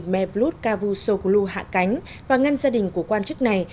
mevlud cavusoglu hạ cánh và ngăn gia đình của quan chức này